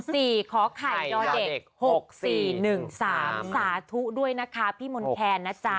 ขอไข่ยอเด็กหกสี่หนึ่งสามสาธุด้วยนะคะพี่มนต์แคนนะจ๊ะ